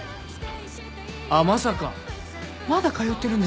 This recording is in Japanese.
あっまさかまだ通ってるんですか？